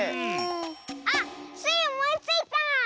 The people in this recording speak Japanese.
あっスイおもいついた！